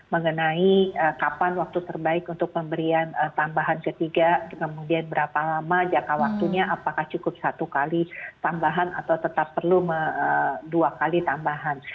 jadi kapan waktu terbaik untuk pemberian tambahan ketiga kemudian berapa lama jangka waktunya apakah cukup satu kali tambahan atau tetap perlu dua kali tambahan